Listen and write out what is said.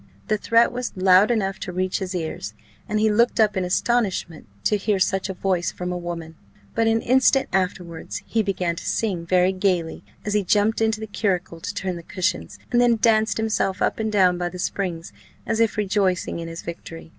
The threat was loud enough to reach his ears, and he looked up in astonishment to hear such a voice from a woman; but an instant afterwards he began to sing very gaily, as he jumped into the curricle to turn the cushions, and then danced himself up and down by the springs, as if rejoicing in his victory.